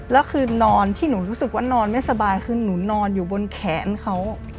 แล้วคือนอนที่หนูรู้สึกว่านอนไม่สบายคือหนูนอนอยู่บนแขนเขา